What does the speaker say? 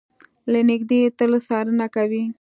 له نږدې يې تل څارنه کوي.